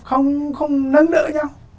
không nâng đỡ nhau